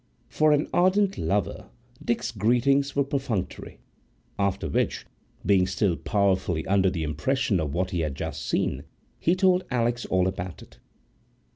For an ardent lover, Dick's greetings were perfunctory; after which, being still powerfully under the impression of what he had just seen, he told Alix all about it.